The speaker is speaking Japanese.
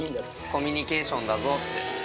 コミュニケーションだぞって。